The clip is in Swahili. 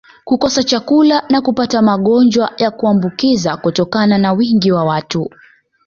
kukosa chakula na kupata magonjwa ya kuambukiza kutokana na wingi wa watu